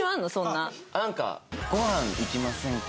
なんか「ご飯行きませんか？」